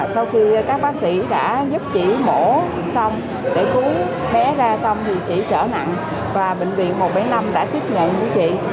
sau khi các bác sĩ đã giúp chị mổ xong để cứu bé ra xong thì chị trở nặng và bệnh viện một trăm bảy mươi năm đã tiếp nhận của chị